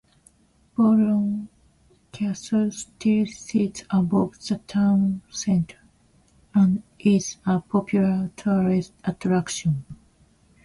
Bouillon Castle still sits above the town centre, and is a popular tourist attraction.